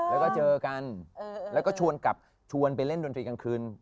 แล้วก็เจอกันแล้วก็ชวนกลับชวนไปเล่นดนตรีกลางคืน